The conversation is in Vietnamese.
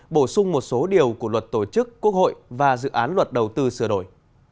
bổ sung một số điều của luật tổ chức quốc hội và dự án luật đầu tư sửa đổi